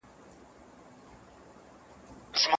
ایا مطالعه د ذهن ورزش دی؟